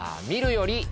見るより。